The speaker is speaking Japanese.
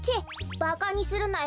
ばかにするなよ。